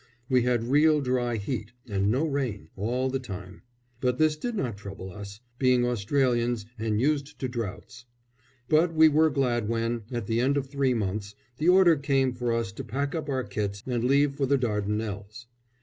We had real dry heat, and no rain, all the time; but this did not trouble us, being Australians, and used to droughts. But we were glad when, at the end of the three months, the order came for us to pack up our kits and leave for the Dardanelles.